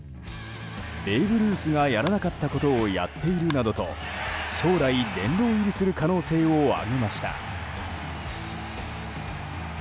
ベーブ・ルースがやらなかったことをやっているなどと将来、殿堂入りする可能性を挙げました。